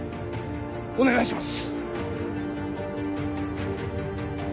お願いします！